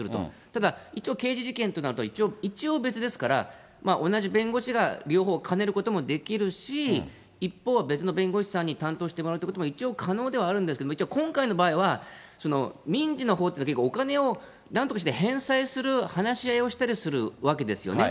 ただ、一応刑事事件となると、一応、別ですから、同じ弁護士が両方兼ねることもできるし、一方、別の弁護士さんに担当してもらうということも一応可能ではあるんですけど、一応今回の場合は、民事のほうというか、結構お金をなんとかして返済する話し合いをしたりするわけですよね。